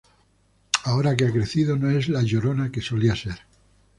Ahora que ha crecido no es la llorona que solía ser.